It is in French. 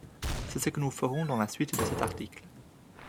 C'est ce que nous ferons dans la suite de cet article.